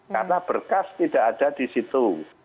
karena berkas tidak ada di situ